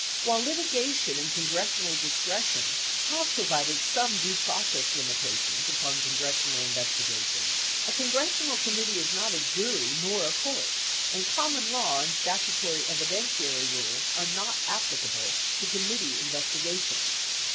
While litiga tion and congressional discretion have provided some due process limitations upon congressional investigations, a congressional com mittee is not a jury nor a court; and common law and statutory evi dentiary rules are not applicable to committee investigations.